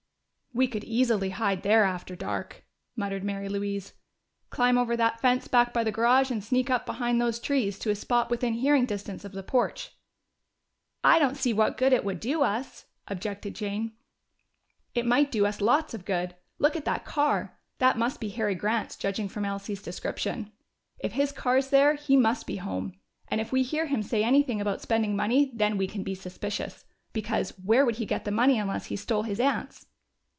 "We could easily hide there after dark," muttered Mary Louise. "Climb over that fence back by the garage and sneak up behind those trees to a spot within hearing distance of the porch." "I don't see what good it would do us," objected Jane. "It might do us lots of good! Look at that car! That must be Harry Grant's, judging from Elsie's description. If his car's there, he must be home. And if we hear him say anything about spending money, then we can be suspicious. Because, where would he get the money unless he stole his aunt's?"